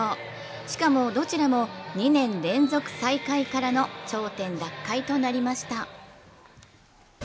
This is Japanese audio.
しかもどちらも２年連続最下位からの頂点奪回となりました。